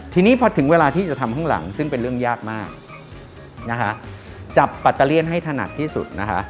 ทีนี้พอถึงเวลาที่จะทำข้างหลังซึ่งเป็นเรื่องยากมากนะคะจับปัตเตอร์เลี่ยนให้ถนัดที่สุดนะคะ